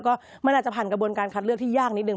ก็มันอาจจะผ่านกระบวนการคัดเลือกที่ยากนิดนึ